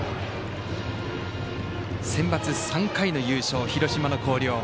センバツ３回の優勝、広島の広陵。